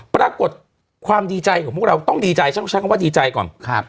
ปรากฏความดีใจของพวกเราต้องใช้คำว่าดีใจก่อน